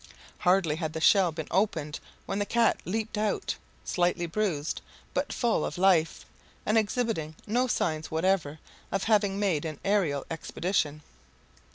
Hardly had the shell been opened when the cat leaped out, slightly bruised, but full of life, and exhibiting no signs whatever of having made an aerial expedition.